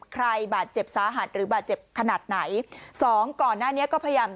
ใครบาดเจ็บสาหัสหรือบาดเจ็บขนาดไหนสองก่อนหน้านี้ก็พยายาม